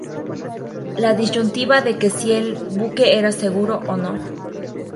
La disyuntiva de que si el buque era seguro o no.